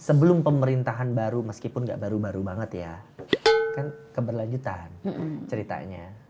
sebelum pemerintahan baru meskipun gak baru baru banget ya kan keberlanjutan ceritanya